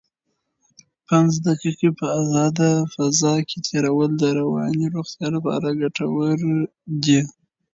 پنځه دقیقې په ازاده فضا کې تېرول د رواني روغتیا لپاره ګټور دي.